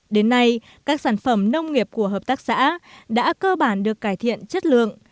đến nay các sản phẩm nông nghiệp của hợp tác xã đã cơ bản được cải thiện chất lượng